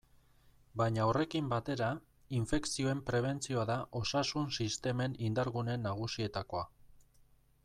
Baina horrekin batera, infekzioen prebentzioa da osasun-sistemen indar-gune nagusietakoa.